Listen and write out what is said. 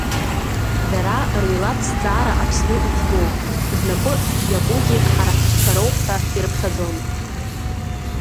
Дара, рмилаҭзҵаара Аԥсны иӡбоуп, знапы иакугьы ҳара ҳтәқәа роуп ҳәа ирыԥхьаӡон.